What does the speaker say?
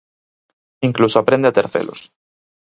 Incluso aprende a ter celos.